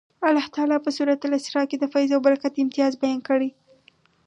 الله تعالی یې په سورة الاسرا کې د فیض او برکت امتیاز بیان کړی.